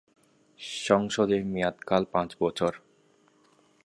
সংসদের মেয়াদকাল পাঁচ বছর।